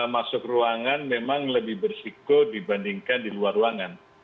masuk ruangan memang lebih bersiko dibandingkan di luar ruangan